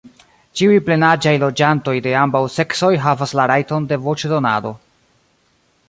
Ĉiuj plenaĝaj loĝantoj de ambaŭ seksoj havas la rajton de voĉdonado.